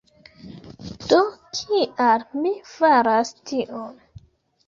Do kial mi faras tion?